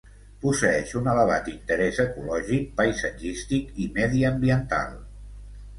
Posseeix un elevat interès ecològic, paisatgístic i mediambiental.